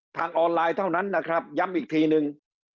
ทางออนไลน์เท่านั้นนะครับย้ำอีกทีนึง